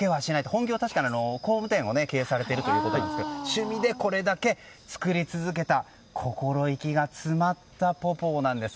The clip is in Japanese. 本業は工具店を経営されているということですが趣味でこれだけ作り続けた心意気が詰まったポポーなんです。